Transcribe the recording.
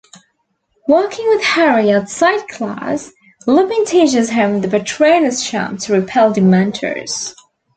Working with Harry outside class, Lupin teaches him the Patronus Charm to repel Dementors.